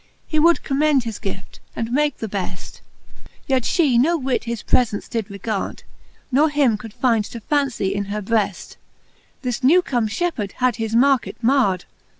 He would commend his guift, and make the beft. Yet flie no whit his prefents did regard, Ne him could find to fancie in her breft : This newcome fhepheard had his market mard.